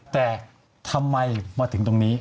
แต่ทำไมมาถึงตรงนี้